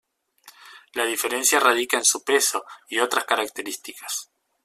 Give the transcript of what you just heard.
Las diferencias radican en su peso y otras características.